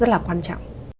rất là quan trọng